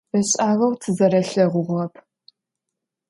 Beş'ağeu tızerelheğuğep.